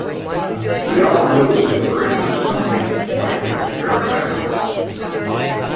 We all knew we were in for something quite experimental.